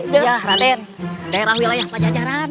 ya raden daerah wilayah panjajaran